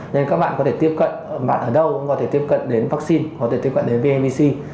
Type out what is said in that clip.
nên các bạn có thể tiếp cận bạn ở đâu cũng có thể tiếp cận đến vaccine có thể tiếp cận đến vnvc